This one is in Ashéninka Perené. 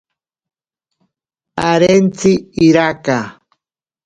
Parentsi iraka.